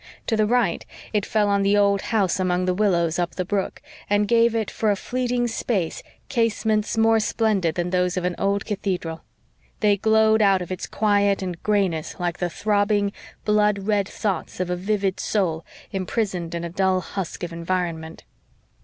To the right, it fell on the old house among the willows up the brook, and gave it for a fleeting space casements more splendid than those of an old cathedral. They glowed out of its quiet and grayness like the throbbing, blood red thoughts of a vivid soul imprisoned in a dull husk of environment.